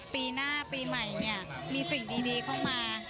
ปีหน้าปีใหม่เนี่ยมีสิ่งดีเข้ามา